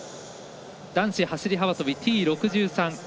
男子走り幅跳びＴ６３。